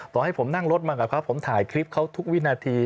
ต่อให้ผมนั่งรถมากับเขาผมถ่ายคลิปเขาทุกวินาที